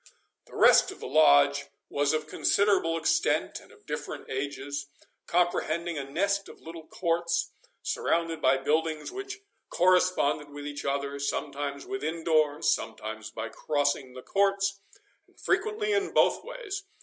The rest of the Lodge was of considerable extent, and of different ages; comprehending a nest of little courts, surrounded by buildings which corresponded with each other, sometimes within doors, sometimes by crossing the courts, and frequently in both ways.